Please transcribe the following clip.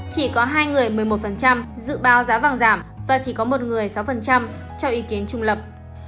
chỉ có hai người một mươi một dự báo giá vàng giảm và chỉ có một người sáu cho ý kiến trung lập